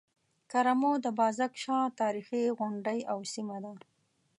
کرمو د بازک شاه تاريخي غونډۍ او سيمه ده.